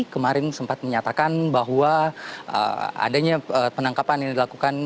kemarin sempat menyatakan bahwa adanya penangkapan yang dilakukan